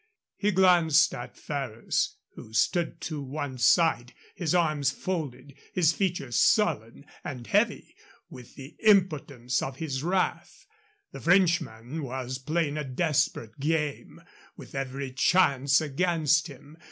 He glanced at Ferrers, who stood to one side, his arms folded, his features sullen and heavy with the impotence of his wrath. The Frenchman was playing a desperate game, with every chance against him.